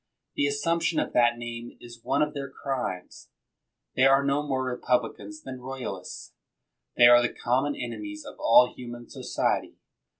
The assumption of that name is one of their crimes. They are no more re publicans than royalists. They are the com mon enemies of all human society.